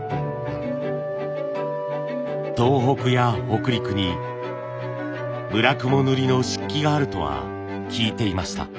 東北や北陸に叢雲塗の漆器があるとは聞いていました。